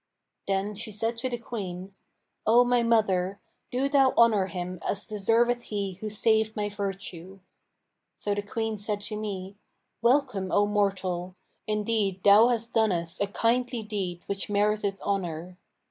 Then she said to the Queen, 'O my mother, do thou honour him as deserveth he who saved my virtue.' So the Queen said to me, 'Welcome, O mortal! Indeed thou hast done us a kindly deed which meriteth honour.'